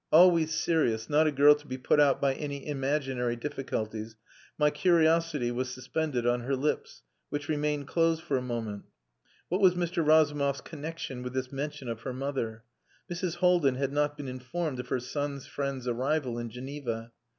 Always serious, not a girl to be put out by any imaginary difficulties, my curiosity was suspended on her lips, which remained closed for a moment. What was Mr. Razumov's connexion with this mention of her mother? Mrs. Haldin had not been informed of her son's friend's arrival in Geneva.